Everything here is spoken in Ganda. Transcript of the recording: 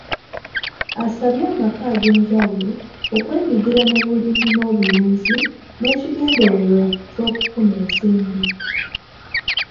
Asabye amaka ag’enjawulo okwenyigira mu bulimi n’obulunzi n’ekigendererwa ky’okufuna ensimbi.